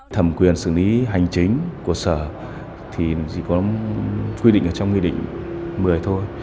thẩm quyền xử lý hành chính của sở thì chỉ có quy định ở trong nghị định một mươi thôi